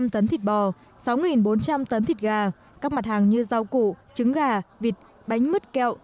một trăm linh tấn thịt bò sáu bốn trăm linh tấn thịt gà các mặt hàng như rau củ trứng gà vịt bánh mứt kẹo